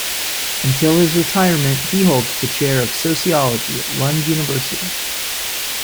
Until his retirement, he holds the chair of Sociology at Lund University.